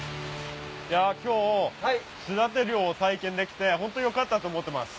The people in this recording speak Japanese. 今日簀立漁を体験できてホントよかったと思ってます。